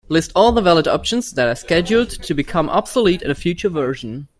List all the valid options that are scheduled to become obsolete in a future version.